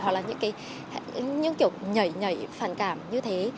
hoặc là những kiểu nhảy nhảy phản cảm như thế